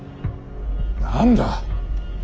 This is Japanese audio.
何だ。